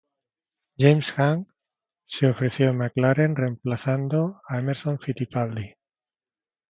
James Hunt se ofreció en McLaren, reemplazando a Emerson Fittipaldi.